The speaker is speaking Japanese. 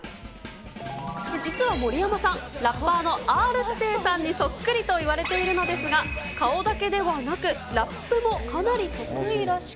実は盛山さん、ラッパーのＲー指定さんにそっくりといわれているのですが、顔だけではなく、ラップもかなり得意らしく。